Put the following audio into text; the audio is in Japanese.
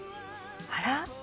あら。